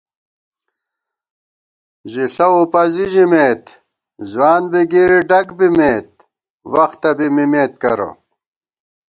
ژِݪہ وُپَزی ژِمېت ځوان بی گِری ڈگ بِمېت، وختہ بی مِمېت کرہ